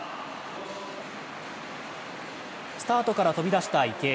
スタートから飛び出した池江。